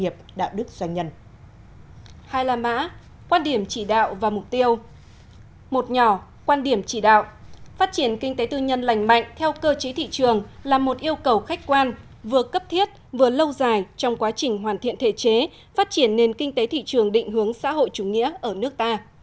phát triển kinh tế tư nhân lành mạnh theo cơ chế thị trường là một yêu cầu khách quan vừa cấp thiết vừa lâu dài trong quá trình hoàn thiện thể chế phát triển nền kinh tế thị trường định hướng xã hội chủ nghĩa ở nước ta